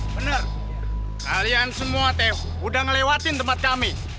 bener kalian semua teh udah ngelewatin tempat kami